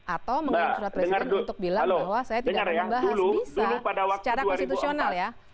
atau mengirim surat presiden untuk bilang bahwa saya tidak akan membahas bisa secara konstitusional ya